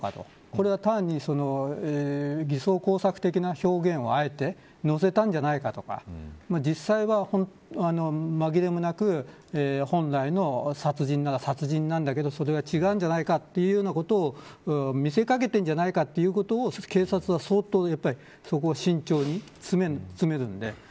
これは単に偽装工作的な表現をあえて載せたのではないかとか実際は、まぎれもなく本来の殺人なら殺人なんだけどそれが違うんじゃないかというようなことを見せかけているんじゃないかということを警察は相当慎重に詰めます。